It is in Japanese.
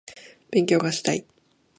勉強がしたい